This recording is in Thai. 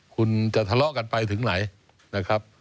คุณจะทะเลาะกันไปถึงไหน